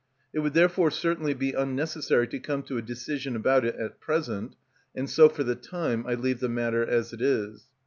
It would therefore certainly be unnecessary to come to a decision about it at present, and so for the time I leave the matter as it is.